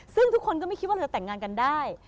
ซึ่งทุกคนก็ไม่คิดว่าเราจะแต่งงานกันได้